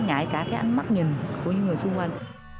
ngại cả cái ánh mắt nhìn của những người xung quanh